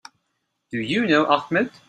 Do you know Ahmed?